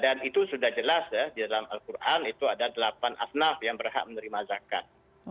dan itu sudah jelas ya di dalam al qur'an itu ada delapan afnaf yang berhak menerima zakat